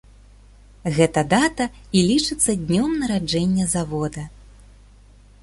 Гэта дата і лічыцца днём нараджэння завода.